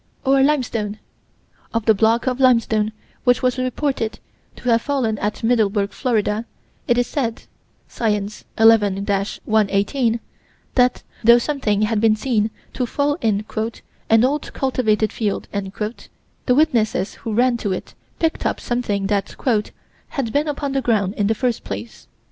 Or limestone: Of the block of limestone which was reported to have fallen at Middleburg, Florida, it is said (Science, 11 118) that, though something had been seen to fall in "an old cultivated field," the witnesses who ran to it picked up something that "had been upon the ground in the first place."